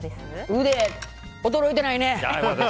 腕、衰えてないね。